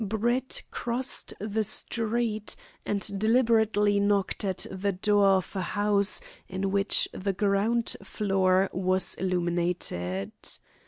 Brett crossed the street and deliberately knocked at the door of a house in which the ground floor was illuminated.